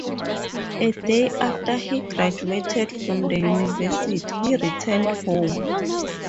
A day after he graduated from the university, he returned home.